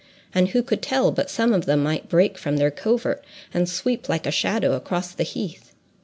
And who could tell but some of them might break from their covert and sweep like a shadow across the heath?